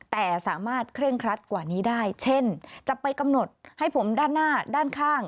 แต่สามารถเคร่งครัดกว่านี้ได้เช่นจะไปกำหนดให้ผมด้านหน้าด้านข้าง